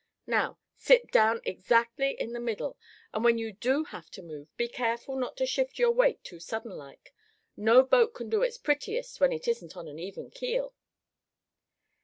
Now, sit down exactly in the middle, and when you do have to move, be careful not to shift your weight too sudden like. No boat can do its prettiest when it isn't on an even keel."